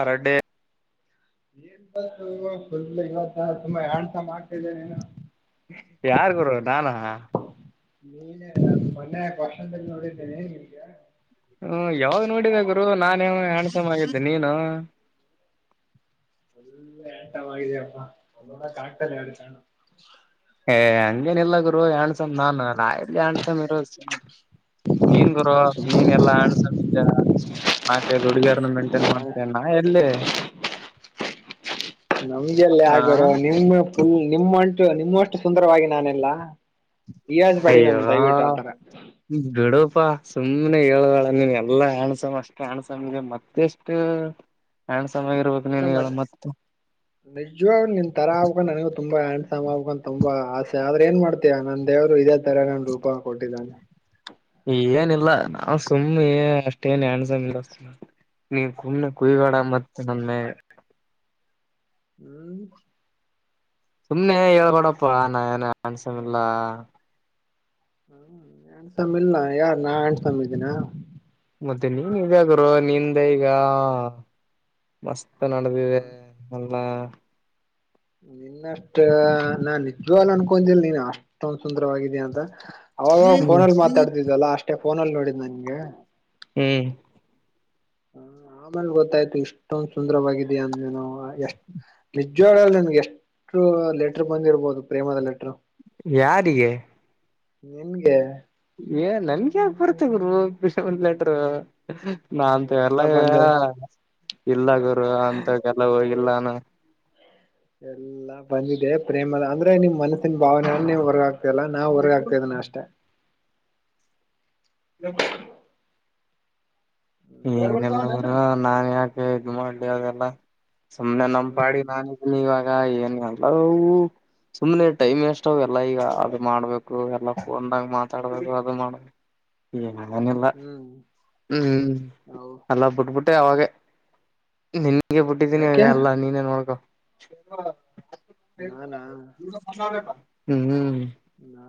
ಅರಡ್ಡೆ ಏನ್ ಬ [unintelligible] ಇವತ್ತ ತುಂಬಾ [unintelligible] ಮಾಡ್ತಿದ್ದೇ ನೀನು ಯಾರ್ ಗುರು ನಾನ? ನೀನೆ ಮೊನ್ನೆ [unintelligible] [unintelligible] ಹ್ಮ ಯಾವಾಗ್ ನೋಡಿದ ಗುರು ನಾನೇ ಹಾಂಡ್ಸೋಮ್ ಆಗಿದ್ದೆ ನೀನು ಒಳ್ಳೆ ಆಂಟಮ್ ಆಗಿದೆಯ ಅಪ್ಪ ಒಂದೋಣ ಕಾಕ್ತಲ್ಲ [unintelligible] [unintelligible] ಎ ಅಂಗೇನಿಲ್ಲ ಗುರು [unintelligible] ನಾನು ನಾ ಎಲ್ಲಿ ಹಾಂಡ್ಸೋಮ್ ಇರದು ನೀನ್ ಗುರು ನೀನ್ ಎಲ್ಲಾ [unintelligible] [unintelligible] ನಾಕೈದು ಹುಡುಗಿಯರನ ಮೇಂಟೈನ್ ಮಾಡ್ತೀಯಾ ನಾ ಎಲ್ಲಿ? [inaudible] ನಮ್ಗೆಲ್ಲ ಹಾ ಯಾರ್ ಗುರು ನಿಮ್ಮ ಫುಲ್ ನಿಮ್ಮಂಟು ನಿಮ್ಮ ಅಷ್ಟು ಸುಂದರವಾಗಿ ನಾನಿಲ್ಲಾ ಹೀಯಾಳಿಸಬೇಡಿ ನಮ್ ದಯವಿಟ್ಟು ಆತರ ಬಿಡೋಪಾ ಸುಮನೆ ಹೇಳ್ಬೇಡ ನೀನ್ ಎಲ್ಲಾ ಹಾಂಡ್ಸೋಮ್ ಅಷ್ಟ್ ಹಾಂಡ್ಸೋಮ್ಗೆ ಮತ್ತೆಷ್ಟು ಹಾಂಡ್ಸೋಮ್ ಆಗಿ ಇರ್ಬೇಕು ನೀನ್ ಹೇಳ ಮತ್ತೆ ನಿಜ್ವಾಗ್ಲೂ ನಿನ್ ತರ ಆಗ್ಬೇಕು ನನಗ ತುಂಬ ಹಂಡ್ಸ್ಮ್ ಆಗ್ಬೇಕು ಅಂತ ತುಂಬ ಆಸೆ ಆದ್ರೆ ಏನ್ ಮಾಡ್ತೀಯಾ ನನ್ ದೇವರು ಇದ ಈ ತರ ನಾನ್ ರೂಪ ಕೊಟ್ಟಿದ್ದಾನೆ ಏನಿಲ್ಲ ನಾವ ಸುಮ್ಮನೆ ಅಷ್ಟೇನ್ ಅಣಸಮ ಇಲ್ಲ ನೀ ಕುಮನೆ ಕುಯ್ಗೋಡ ಹ್ಮ್ ಮತ್ತ ಸುಮ್ನೆ ಹ್ಮ ಸುಮ್ನೆ ಹೇಳ್ಕಡಪ್ಪ ನಾ ಏನ ಅನ್ಸನ ಇಲ್ಲ. ಹ್ಮ ಎಣಸಮ್ಮ ಇಲ್ಲ ಯಾರ ನಾ ಅಂಡ್ಸಮ್ಮ ಇದ್ದೀನ. ಮತ್ತೆ ನೀನ್ ಹಿಂಗೇ ಗುರು ನಿಂದ ಈಗ ಮಸ್ತ್ ನಡ್ದಿದೆ. ಅಲ್ಲಾ ನಿನ್ನಷ್ಟ ನಾನ್ ನಿಜ್ವಲ ಅನ್ಕೊಂದಿಲ್ಲ ನೀನ್ ಅಷ್ಟೊಂದ ಸುಂದರವಾಗಿದೀಯ ಅಂತ ಅವಾಗವ ಹ್ಮ್ ಫೋನಲ್ಲಿ ಮಾತಾಡ್ತಿದಲ್ಲಾ ಅಷ್ಟೇ ಫೋನಲ್ಲಿ ನೋಡಿದ್ದ ನನ್ಗೆ ಹ್ಮ ಹ ಆಮೇಲ ಗೊತ್ತಾಯ್ತು ಇಷ್ಟೊಂದ್ ಸುಂದರವಾಗಿ ಇದಿಯ ನೀನು ಎಸ್ ನಿಜ ಜ್ವಲ್ ನಿನಗ ಎಷ್ಟ ಲೆಟರ್ ಬಂದಿರಬಹುದು ಪ್ರೇಮದ ಲೆಟರ್ ಯಾರಿಗೆ ನಿನ್ಗೆ ಏ ನನ್ಗ ಯಾಕ ಬರ್ತ ಗುರು ಪಿಶ ಲೆಟರು ನಾಂತ ಎಲ್ಲ ಎಲ್ಲಾ ಬಂದದ ಇಲ್ಲ ಗುರು ಅಂತ ಎಲ್ಲ ಹೋಗಿಲ್ಲ ನಾ ಎಲ್ಲಾ ಬಂದಿದೆ ಪ್ರೇಮದ ಅಂದ್ರೆ ನಿಮ್ ಮನಸ್ಸಿನ ಭಾವನೆೇ ನಿವ ಬರ ತೇಲ್ಲ ನಾ ಹೊರಗ ಹಾಕ್ತಾ ಇದ್ನ ಅಷ್ಟೇ [inaudible] [unintelligible] ನಾ ಯಾಕ ಇದ ಮಾಡ್ಲಿ ಅದೆಲ್ಲ ಸುಮ್ನೆ ಹ್ಮ್ ಹ್ಮ್ ನಂಪಾಡಿ ನಾನ ಇವಾಗ ಏನ್ ಅಲ ಓ ಸುಮ್ನೆ ಟೈಮ್ ವೇಸ್ಟ್ ಅವ ಎಲ್ಲ ಈಗ ಅದ ಮಾಡ್ಬೇಕು ಎಲ್ಲ ಫೋನದಾಗ ಮಾತಾಡ್ಬೇಕು ಅದು ಮಾಡ್ ಏನಿಲ್ಲ ಹ್ಮ್ ಹ್ಮ ಹೌ ಎಲ್ಲ ಬಿಟ್ಬಿಟ್ಟೆ ಅವಾಗೆ ನನ್ಗೆ ಬಿಟ್ಟಿದ್ದೀನಿ ಈ ಯಾಕೆ ಎಲ್ಲಾ ನೀನೇ ನೋಡ್ಕ ನಾನಾ ಹ್ಮ ನಾ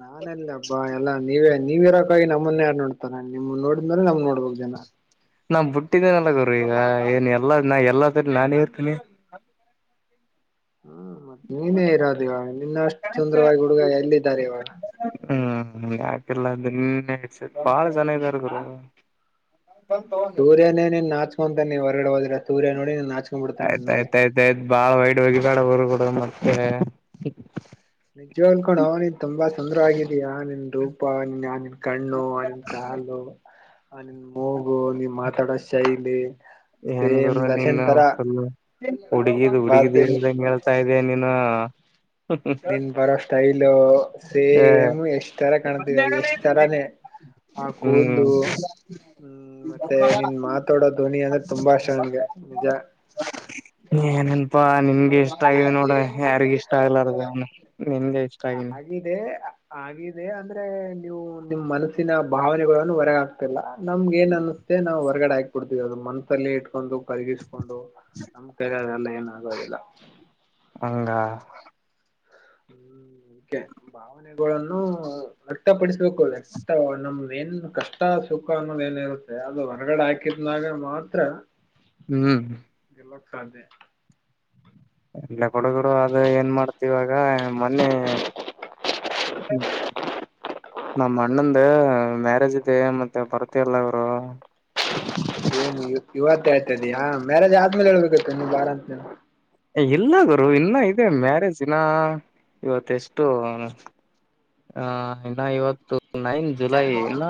ನಾನಲ್ಲಬ್ಬಾ ಎಲ್ಲಾ ನೀವೇ ನೀವ್ ಇರೋಕ್ಕಾಗಿ ನಮ್ಮನ್ನ ಯಾರ್ ನೋಡ್ತಾರೆ ನಿಮ್ ನೋಡಿದ್ಮೇಲೆ ನಮ್ ನೋಡ್ಬೇಕ ಜನ. ನಾ ಬಿಟ್ಟಿದ್ದೇನಲ್ಲ ಗರು ಈಗ ಏನ್ ಎಲ್ಲಾ ಎಲ್ಲಾದ್ರ ನಾನೇ ಇರ್ತೀನಿ. ಹ್ಮ ಮತ್ತ ನೀನೇ ಇರೋದು ಇವಾಗ ನಿನ್ನ ಅಷ್ಟು ಸುಂದರವಾಗಿ ಹುಡುಗ ಎಲ್ಲಿದ್ದಾರೆ ಇವಾಗ ಹ್ಮ ಯಾಕೆಲ್ಲನ್ನ ಇಡ್ ಬಾಳ ಜನ ಇದಾರ ಗುರು ಸೂರ್ಯನೇ ನೀನ್ನ ನಾಚ್ಕೊಂತ ನೀ ಹೊರಗಡೆೋದ್ರ ಸೂರ್ಯ ನೋಡಿ ನೀ ನಾಕ ಆಯ್ತಾಯಯ್ತ ಆಯ್ತಾಯ್ತ ಬಾಳ್ ವೈಡ್ ಬೋಗ ಬೇಡ ಊರು ಕೂಡ ಮತ್ತೆ ನಿಜ್ವ ಹೇಳ್ಕೊಂಡ ಅವ್ನಿ ತುಂಬ ಸುಂದ್ರ ಆಗ ಯಾ ನಿನ್ನ ದುಪ ಯಾ ನಿನ್ನ ಕಣ್ಣು ಆ ನಿನ ಕಾಲು ಅ ನಿನ್ ಮೂಗು ನೀ ಮಾತಾಡೋ ಶೈಲಿ ಏನ್ ಸೇಮ್ ಗುರು ನೀನ ದರ್ಶನ್ ತರ ಫುಲ್ ಹುಡುಗಿದ ಹುಡುಗಿದ ಬರ್ತೀನಿ ಹೇಳ್ದ ತಾ ಇದ ನೀನ ನಿನ್ ಬರೋ ಸ್ಟೈಲು ಏ ಸೇಮ್ ಯಶ್ ತರ ಕಾಣ್ತಿದೆ ಯಶ್ ತರಾನೇ ಆ ಹ್ಮ್ ಕೂದ್ಲು ಹ್ಮ ಮತ್ತೆ ನಿನ್ ಮಾತಾಡೋ ಧ್ವನಿ ಅಂದ್ರೆ ತುಂಬಾ ಇಷ್ಟ ನನ್ಗೆ ನಿಜ [inaudible] ಏನನ್ಪಾ ನಿನ್ಗ ಇಷ್ಟ ಆಗಿದೆ ನೋಡ ಯಾರಿಗ ಇಷ್ಟ ಆಗ್ಲಾರ ನಿನ್ಗೆ ಇಷ್ ಆಗ್ಲಿ ಇದೆ ಆಗಿದೆ ಅಂದ್ರೆ ನೀವು ನಿಮ್ಮ ಮನಸ್ಸಿನ ಭಾವನೆಗಳನ್ನು ಹೊರ ಹಾಕ್ತಿಲ್ಲ. ನಮ್ಗೆ ಏನ್ ಅನ್ಸುತ್ತೆ ಹೊರ್ಗಡೆ ಆಗ್ತ ಕುಡ್ತವಿ ಅದು ಮಂತ್ ಅಲ್ಲಿ ಇಟ್ಕೊಂಡು ಕರಗಿಸಕೊಂಡು ನಮ್ ಕದೆಲ್ಲ ಏನ ಆಗೋದಿಲ್ಲ. ಹಂಗ ಹ್ಮ್ ಭಾವನೆಗಳನ್ನು ವ್ಯಕ್ತಪಡಿಸಬೇಕು ವ್ಯಕ್ತ ನಮೇನು ಕಷ್ಟ ಕಷ್ಟ ಸುಖ ಅನ್ನೋದ ಏನಿರುತ್ತೆ ಅದು ಹೊರ್ಗಡೆ ಹಾಕಿದನಾಗ ಮಾತ್ರ. ಹ್ಮ್ ಎಲ್ಲೋ ಕಾದ. ಬಿಡು ಬಿಡು ಅದು ಏನ್ ಮಾಡ್ತಿ ಇವಾಗ ಮೊನ್ನೆ. ನಮ್ಮ ಅಣ್ಣಂದು ಮ್ಯಾರೇಜ್ ಇದೆ ಮತ್ತೆ ಬರ್ತ ಇಲ್ಲ ಗುರು. ಏನು ಇವತ್ತ ಹೇಳ್ತ ಇದೀಯಾ ಮ್ಯಾರೇಜ್ ಆದ್ಮೇಲೆ ಹೇಳ್ಬೇಕತ್ತು ನೀ ಬಾರ ಅಂತ. ಇಲ್ಲ ಗುರು ಇನ್ನ ಇದೆ ಮ್ಯಾರೇಜಿನ ಇವತ್ತ ಎಷ್ಟು. ಹ ಇನ್ನ ಇವತ್ತು ನೈನ್ ಜುಲೈ ಇನ್ನ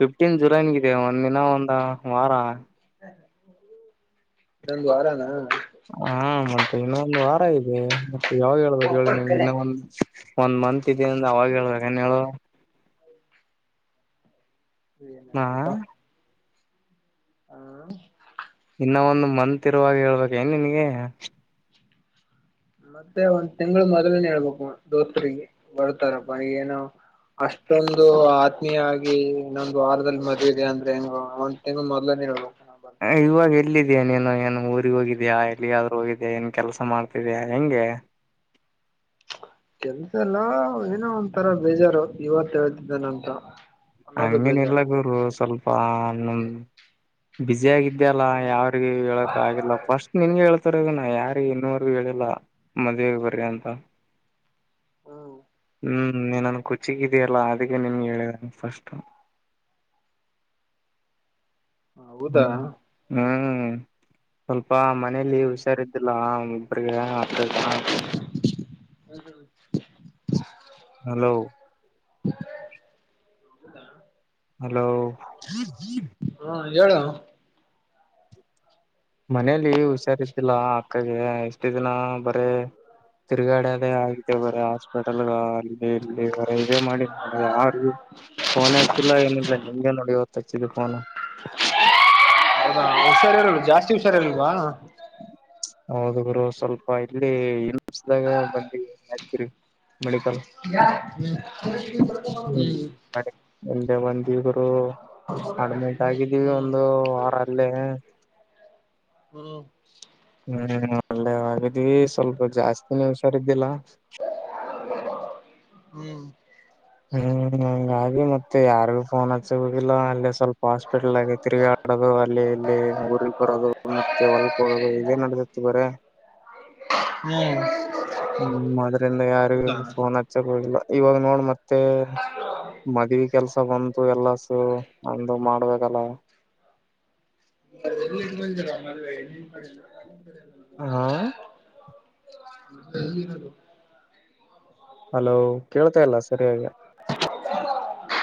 ಫಿಫ್ಟೀನ್ ಜುಲೈಗಿದೆ ಒಂದಿನ ಇನ್ನ ಒಂದು ವಾರ. ಇನ್ನೊಂದು ವಾರಾನ. ಹಾ ಮತ್ತೆ ಇನ್ನೊಂದು ವಾರ ಇದೆ ಮತ್ತೆ ಯಾವಗ ಹಳ್ಬೇಕು ಹೇಳಿ ನೀವು ಇನ್ನೊಂದು. ಒಂದ್ ಮಂತ್ ಇದೆ ಅಂದಾಗ ಅವಾಗ ಹೇಳಬೇಕ ಹೇಳು. ಹಾ ಹಾ ಇನ್ನ ಒಂದು ಮಂತ್ ಇರುವಾಗ ಹೇಳ್ಬೇಕ ಏನ್ ನಿನಗೆ. ಮತ್ತೆ ಒಂದ್ ತಿಂಗಳು ಮೊದಲನ ಹೇಳ್ಬೇಕು ದೋಸ್ರಿಗೆ ಬರ್ತಾರಪ್ಪ ಏನೋ. ಅಷ್ಟೊಂದು ಆತ್ಮೀಯ ಆಗಿ ಇನ್ನೊಂದು ವಾರದಲ್ಲಿ ಮದುವೆ ಇದೆ ಅಂದ್ರೆ ಏನು. ತಿಂಗಳ ಮೊದಲೇನೆ ಹೇಳಬೇಕು. ಇವಾಗ ಎಲ್ಲಿದಿಯಾ ನೀನು ಏನು ಊರಿಗೆ ಹೋಗಿದಿಯಾ ಎಲ್ಲಿಗಾದರೂ ಹೋಗಿದಿಯಾ ಏನ್ ಕೆಲಸ ಮಾಡ್ತಿದಿಯಾ ಹೆಂಗೆ. ಕೆಲ್ಸ ಎಲ್ಲಾ ಏನೋ ಒಂದ ತರ ಬೇಜಾರು ಇವತ್ ಹೇಳ್ತಿದ್ದೇನೆ ಅಂತ. ಹಂಗೇನಿಲ್ಲ ಗುರು ಸ್ವಲ್ಪ ಬಿಸಿ ಆಗಿ ಇದೆ. ಇದಲ್ಲಾ ಹ್ಮ್ ಯಾವ್ರಿಗೆ ಹೇಳಕ ಆಗಿಲ್ಲ ಫಸ್ಟ್ ನಿನ್ಗೆ ಹೇಳ್ ಹೇಳ್ತಿರೋದು ಯಾರಿಗೆ ಇನ್ನವರ್ಗ ಹೇಳಿಲ್ಲ ಮದ್ವೆಗೆ ಬರಿ ಅಂತ. ಹ್ಮ್ ಹ್ಮ್ ನೀ ನನ್ ಕುಚಿಕು ಇದೀಯಲ್ಲ ಅದಕ್ಕೆ ನಿನ್ಗೆ ಹೇಳಿದ ಫಸ್ಟ್. ಹೌದಾ ಹ್ಮ್ ಹ್ಮ್ ಸ್ವಲ್ಪ ಮ ಮನೇಲಿ ಹುಷಾರಿದ್ದಿಲ್ಲ ಒಬ್ರಿಗೆ ಅಕ್ಕಗ. [unintelligible] ಹಲೋ [inaudible] ಹಲೋ ಹಾ ಹೇಳು ಮನೇಲಿ ಹುಷಾರಿದೀಲ್ಲ ಅಕ್ಕಗೆ. ಇಷ್ಟು ದಿನ ಬರೇ ತಿರುಗಾಡದೇ ಆಗತೆ ಬರೇ. ಹಾಸ್ಪಿಟಲ್ ಅಲ್ಲಿ ಇದೇ ಮಾಡಿಲ್ಲ ಯಾರ. ಫೋನ್ ಹಚ್ಚಿಲ್ಲ ಏನಿಲ್ಲ ನಿಮ್ಗೆ ನೋಡಿ ಇವತ್ತು ಹಚ್ಚಿದ ಫೋನ್. ಹೌದಾ ಹುಷಾರಿರಲಿಲ್ಲ ಜಾಸ್ತಿ ಹುಷಾರಿರಾಲಿಲ್ವಾ. ಹೌದು ಗುರು ಸ್ವಲ್ಪ ಇಲ್ಲಿ [unintelligible] ಮೆಡಿಕಲ್ [unintelligible] ಹ್ಮ್ ಹ್ಮ್ ಎಲ್ಲೇ ಬಂದವರು ಅಡ್ಮಿಟ್ ಆಗಿದ್ದೀವಿ ಹ್ಮ್ ಒಂದು ವಾರ ಅಲ್ಲೇ. ಹ್ಮ ಹ್ಮ್ ಒಳ್ಳೆವಾಗಿದ್ವಿ ಸ್ವಲ್ಪ ಜಾಸ್ತಿನೆ ಹುಷಾರು ಇದ್ದಿಲ್ಲ ಹ್ಮ್ ಹ್ಮ್ ಹಂಗಾಗಿ ಮತ್ತೆ ಯಾರು ಫೋನ್ ಹ ಸಿಗುದಿಲ್ಲ ಅಲ್ಲಿ ಸ್ವಲ್ಪ ಹಾಸ್ಪಿಟಲ್ ಆಗೈ ತಿರ್ಗ ಆಡೋದು ಅಲ್ಲಿ ಇಲ್ಲಿ ಊಗ್ ಬರೋದು ಮತ್ತೆ ಹೊಲಕ್ಕೇ ಹೋಗೋದು ಇದೇ ನಡದತ್ತು ಬರಿ ಹ್ಮ್ ಹ್ಮ್ ಅದ್ರಿಂದ ಯಾರಿಗು ಹೌದಾ ಫೋನ್ ಹಚ್ಚಕ್ ಹೋಗಿಲ್ಲ ಇವಾಗ ನೋಡ್ ಮತ್ತ ಮತ್ತೆ ಮದ್ವಿ ಕೆಲ್ಸ ಬಂತು ಎಲ್ಲ ಕೆಲಸ ಒಂದು ಮಾಡ್ಬೇಕಲ್ಲ [unintelligible] ಹಾ [inaudible] ಹಲೋ ಕೇಳ್ತಾ ಇಲ್ಲ ಸರಿಯಾಗಿ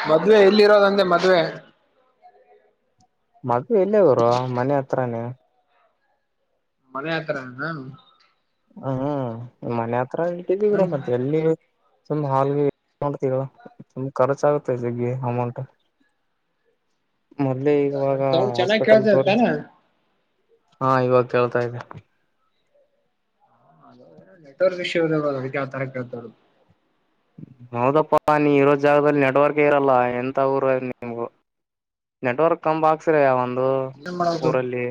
ಮದ್ವೆ ಎಲ್ಲಿರೋದಂದೆ ಮದ್ವೆ ಮದುವೆ ಇಲ್ಲೇ ಗುರು ಮನೆ ಹತ್ರಾನೇ ಮನೆ ಹತ್ತಿರನೆನ ಹ್ ಮನೆ ಹತ್ರ ಇತವಿ ಕಡ ನನ್ ಮ ಎಲ್ಲಿ ತುಂಬಾ ಹಾಲ್ಗೆ ಮಾಡ ತುಂಬ ಖರ್ಚಾಗುತ್ತೆ ಜಗ್ಗಿ ಅಮೌಂಟ್ ಮೊದ್ಲೇ ಇವಾಗ ಸೌಂಡ್ ಚೆನ್ನಾಗ್ ಹಾಸ್ಪಿಟಲ್ ಕೇಳ್ತದೆ ತೋ ತಾನೆ ಹಾ ಇವಾಗ ಕೇಳ್ತಾ ಇದೆ ಅ ನೆಟ್ವರ್ಕ್ ಇಶ್ಯೂ ಇದೆ ಅಲ್ವಾ ಅದು ಅದಕ್ಕೆ ಯಾವ ತರ ಕೇಳ್ತ ಇರೋದು ಹೌದಪ್ಪಾ ನೀ ಇರೋ ಜಾಗದಲ್ಲಿ ನೆಟ್ವರ್ಕ್ ಇರಲ್ಲ ಎಂಥ ಊರು ನಿಮ್ದು ನೆಟ್ವರ್ಕ್ ಕಂಬ ಹಾಕ್ಸ್ರ ಒಂದು ಏನ್ ಮಾಡೋದು ಊರಲ್ಲಿ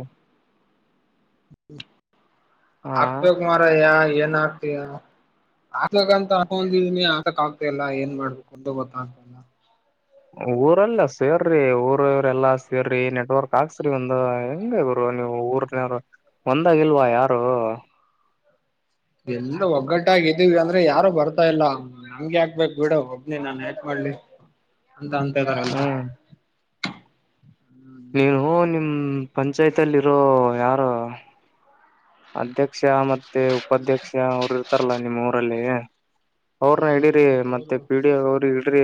ಹಾ ಹಾಕ್ಬೇಕು ಮಾರಾಯ ಏನ್ ಹಾಕ್ಬೇಕು ಏನೋ ಆತಗಂತಂದಿದೀನಿ ಆತಕ್ ಆಗ್ತ ಇಲ್ಲ ಏನ್ ಮಾಡ್ಬೇಕು ಒಂದ ಗೊತ್ತಾಗ್ತಲ್ಲ ಊರಲ್ಲ ಸೇರ್ರಿ ಊರ ಇವ್ರ ಎಲ್ಲಾ ಸೇರ್ರಿ ನೆಟ್ವರ್ಕ್ ಹಾಕ್ಸ್ರಿ ಒಂದು ಹೆಂಗ ನೀವು ಊರ್ನವ ಒಂದಾಗಿ ಇಲ್ವಾ ಯಾರು ಎಲ್ಲ ಒಗ್ಗಟ್ಟಾಗಿದ್ದೀವಿ ಅಂದ್ರೆ ಯಾರು ಬರ್ತಾ ಇಲ್ಲ ನಮ್ಗೆ ಹಾಕ್ಬೇಕ್ ಬಿಡ ಒಬ್ನಿ ನಾನ್ ಯಾಕ್ ಮಾಡ್ಲಿ ಅಂತ ಅಂತ ಇದ್ದಾರಲ್ಲ ಹ್ಮ್ ನೀನು ನಿಮ್ಮ ಪಂಚಾಯತಿಯಲ್ಲಿ ಇರೋ ಯಾರು ಅಧ್ಯಕ್ಷ ಮತ್ತೆ ಉಪಾಧ್ಯಕ್ಷ ಅವರು ಇರ್ತಾರಲ್ಲ ನಿಮ್ಮ್ ಊರಲ್ಲಿ ಅವ್ರನ ಇಡರಿ ಮತ್ತೆ ಹೌದು ಪಿ ಡಿ ಓ ಅವ್ರ ಇಡ್ರಿ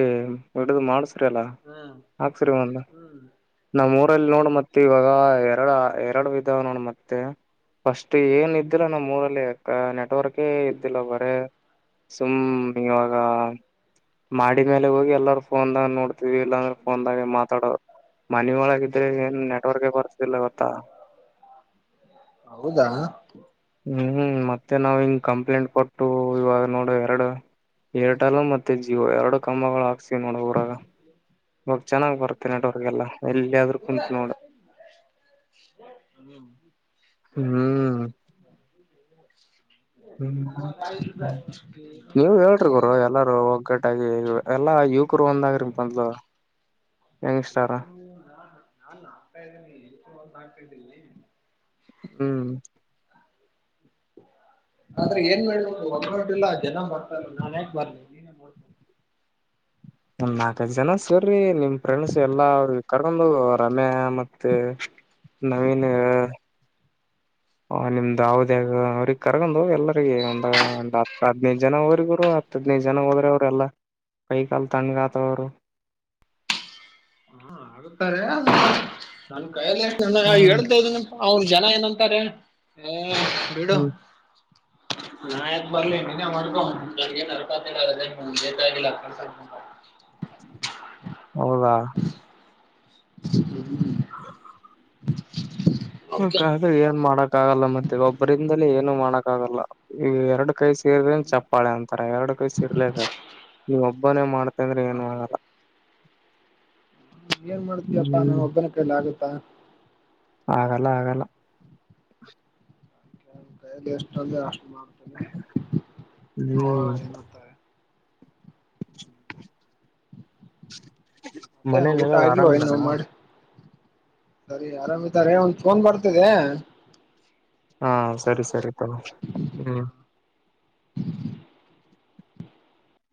ಹಿಡ್ದ ಮಾಡಸಿರಿ ಲ್ಲ ಹ್ಮ್ ಹಾಕ್ಸರಿ ಒಂದು ಹ್ಮ್ ನಮ್ಮ್ ಊರಲ್ಲಿ ನೋಡ ಮತ್ತೆ ಇವಾಗ ಎರಡ ಎರಡು ಇದಿದಾವ ನೋಡ ಮತ್ತೆ ಫಸ್ಟ್ ಏನ್ ಇದ್ದಿಲ್ಲ ನಮ್ಮ್ ಊರಲ್ಲಿ ನೆಟ್ವರ್ಕೇ ಇದ್ದಿಲ್ಲ ಬರೆ ಸುಮ್ ಇವಾಗ ಮಾಹಾಡಿ ಮೇಲೆ ಹೋಗಿ ಎಲ್ಲರ ಫೋನ್ದಾಗ ನೋಡ ಇಲ್ಲಾ ಅಂದ್ರೆ ಫೋನ್ದಾಗೆ ಮಾತಾಡೋ ಮನ ಒಳಗ ಇದ್ರೆ ಏನ್ ನೆಟ್ವರ್ಕ್ ಬರ್ತದಿಲ್ಲ ಗೊತ್ತಾ ಹೌದಾ ಹ್ಮ್ ಮತ್ತೆ ನಾವ್ ಹಿಂಗ್ ಕಂಪ್ಲೇಂಟ್ ಕೊಟ್ಟು ಇವಾಗ ನೋಡು ಎರಡು ಏರ್ಟೆಲ್ ಮತ್ತೆ ಜಿಯೋ ಎರಡು ಕಮ್ಮಗಳು ಹಾಕ್ಸ ನೋಡು ಊರಾಗ ಇವಾಗ ಚೆನ್ನಾಗ್ ಬರ್ತ್ತೆ ನೆಟ್ವರ್ಕ್ ಎಲ್ಲಾ ಎಲ್ಲಿಯಾದ್ರೂ ಕುಂತು ನೋಡು ಹ ಹ್ಮ್ [inaudible] ನೀವ್ ಹೇಳ್ರಿ ಗುರು ಎಲ್ಲಾರೂ [inaudible] ಒಗ್ಗಟ್ಟಾಗಿ ಎಲ್ಲಾ ಯುವಕರು ಒಂದಾಗ್ರೀ ಮೊದಲು [inaudible] ಹ್ಮ್ ಆದ್ರೆ ಏನ್ ಮಾಡಬೇಕು ಒಗ್ಗಟ್ಟಿಲ್ಲ ಜನ ಬರ್ತಲ್ಲ ನಾನ್ ಹಾಕ್ ಬರ್. [inaudible] ನಾಲ್ಕಜ ಜನ ಸೇರರಿ ನಿಮ್ ಫ್ರೆಂಡ್ಸ್ ಎಲ್ಲಾ ಅವ್ರಿಗೆ ಕರ್ಕೊಂಡು ರಮ್ಯಾ ಮತ್ತೆ. ನವೀನ್. ಹ ನಿಮ್ದಾವ್ದ್ಯ ಅವ್ರಿಗೆ ಕರ್ಗೊಂಡ ಎಲ್ಲರಿಗ ಒಂದ ಒ ಹತ್ತು ಹದ್ನೈದು ಜನ ಅವರಿಗರು. ಹತ್ತು ಹದ್ನೈದು ಜನ ಹೋದ್ರೆ ಅವ್ರ ಎಲ್ಲ ಕೈ ಕಾಲ ತಣ ಆಾತವ್ರು. ಹಾ ಆಗುತ್ತಾರೆ ನನ್ ಕೈಯಲ್ಲಿಷ್ಟ ನಾವು ಹ್ಮ್ ಹೇಳ್ತದನ್ನ. ಅವನ್ ಜನ ಏನಂತಾರೆ ಹ ಬಿಡು. ಹ್ಮ್ [inaudible] ಹಾ ನಾಯಕ್ ನಕತಲ್ಲ ಲಕ್ಕ. [unintelligible] ಹೌದಾ. [inaudible] ಓಕೆ ಹ್ಮ ಏನ್ ಮಾಡಕ್ಕ ಆಗಲ್ಲ ಮತ್ತೆ ಒಬ್ಬರಿಂದಲೇ ಏನು ಮಾಡಕ್ ಆಗಲ್ಲ ಈ ಎರಡು. ಕೈ ಸೇರನ್ ಚಪ್ಪಾಳೆ ಅಂತರ ಎರಡು ಕೈ ಸೇರ್ಲೇಬೇಕ. ನೀವ ಒಬ್ಬನೇ ಮಾಡ್ತಂದ್ರೆ ಏನ್ ಮಾಡಲ್ಲ. ಏನ್ ಮಾಡತೀಯಪ್ಪಾ ನಾ ಹ್ಮ್ ಒಬ್ಬನ ಕೈಲಿ ಆಗತ್ತಾ. ಆಗಲ್ಲ ಆಗಲ್ಲ. ಕ ದೇಶ ಚದೆ ಅಷ್ಟ್ರಮಾರ್. ಹ್ಮ್- ಏನಂತಾರೆ ಮತ್ತೆ ಮನೇಲಿ ಊಟ ಎಲ್ಲಾರು ಆಗಿಲ್ಲ ಆರಾಮಿದಾರ ಇನ್ನೂ ಮಾಡ. ಸರಿ ಆರಾಮಿತಾರೆ ಒಂದ್ ಫೋನ್ ಬರ್ತಿದೆ. ಹಾ ಸರಿ ಸರಿ ತ ಹ್ಮ್.